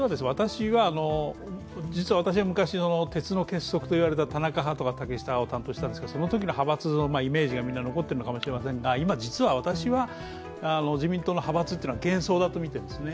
実は私は昔の、鉄の結束といわれた竹田派とか竹下派を担当していたんですが、そのときの派閥のイメージが残っているのかもしれませんが今、実は私は自民党の派閥というのは幻想だとみているんですね。